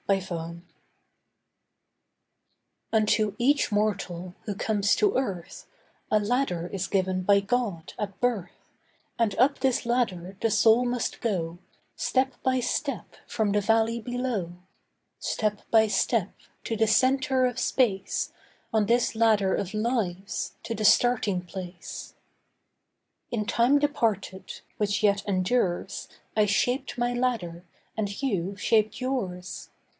THE LADDER Unto each mortal who comes to earth A ladder is given by God, at birth, And up this ladder the soul must go, Step by step, from the valley below; Step by step, to the centre of space, On this ladder of lives, to the Starting Place. In time departed (which yet endures) I shaped my ladder, and you shaped yours.